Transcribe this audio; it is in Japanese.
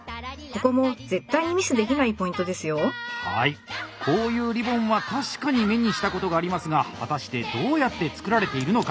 こういうリボンは確かに目にしたことがありますが果たしてどうやって作られているのか。